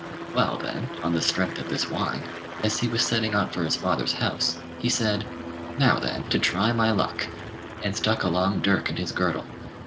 Well, then, on the strength of this wine, as he was setting out for his father's house, he said, "Now, then, to try my luck," and stuck a long dirk in his girdle.